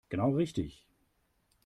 Genau richtig.